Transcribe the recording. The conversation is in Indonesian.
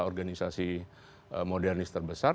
organisasi modernis terbesar